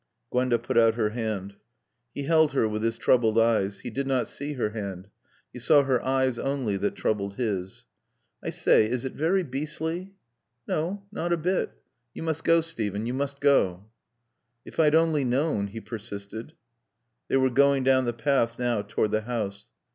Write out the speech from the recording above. Gwenda put out her hand. He held her with his troubled eyes. He did not see her hand. He saw her eyes only that troubled his. "I say, is it very beastly?" "No. Not a bit. You must go, Steven, you must go." "If I'd only known," he persisted. They were going down the path now toward the house.